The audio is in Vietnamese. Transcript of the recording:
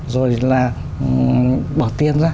rồi là bỏ tiền ra